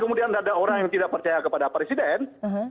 kemudian ada orang yang tidak percaya kepada presiden